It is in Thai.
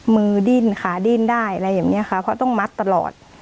ดิ้นขาดิ้นได้อะไรอย่างนี้ค่ะเพราะต้องมัดตลอด